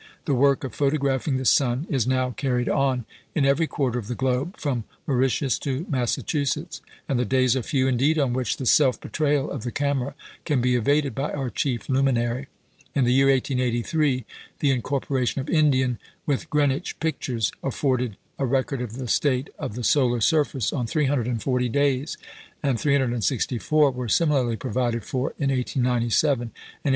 The work of photographing the sun is now carried on in every quarter of the globe, from Mauritius to Massachusetts, and the days are few indeed on which the self betrayal of the camera can be evaded by our chief luminary. In the year 1883 the incorporation of Indian with Greenwich pictures afforded a record of the state of the solar surface on 340 days; and 364 were similarly provided for in 1897 and 1899.